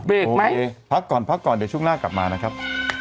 พักก่อนพักก่อนเดี๋ยวช่วงหน้ากลับมานะครับ